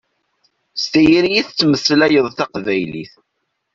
S tayri i tettmeslayeḍ taqbaylit.